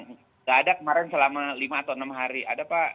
nggak ada kemarin selama lima atau enam hari ada pak